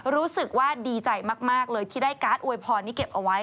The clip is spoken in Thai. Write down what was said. รู้สึกว่าดีใจมากเลยที่ได้การ์ดอวยพรนี้เก็บเอาไว้